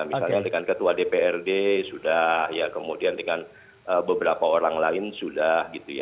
misalnya dengan ketua dprd sudah kemudian dengan beberapa orang lain sudah